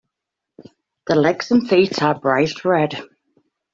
The legs and feet are bright red.